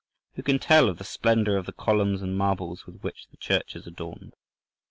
Who can tell of the splendour of the columns and marbles with which the church is adorned?